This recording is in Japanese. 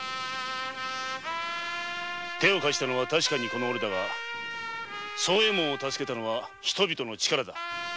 手を貸したのはオレだが惣右衛門を助けたのは人々の力だ。